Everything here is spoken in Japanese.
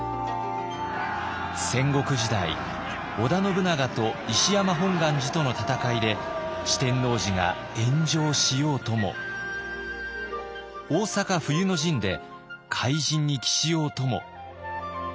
戦国時代織田信長と石山本願寺との戦いで四天王寺が炎上しようとも大坂冬の陣で灰じんに帰しようとも。